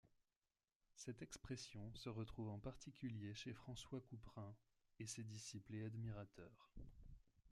Cette expression se retrouve en particulier chez François Couperin et ses disciples et admirateurs.